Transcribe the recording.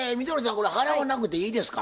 これ払わなくていいですか？